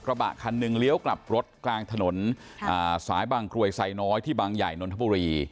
บะคันหนึ่งเลี้ยวกลับรถกลางถนนสายบางกรวยไซน้อยที่บางใหญ่นนทบุรี